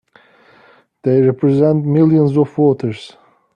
They represent millions of voters!